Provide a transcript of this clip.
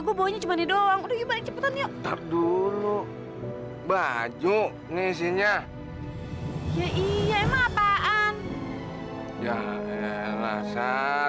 bawa bawanya cuman doang udah cepetan yuk dulu baju isinya ya iya emang apaan ya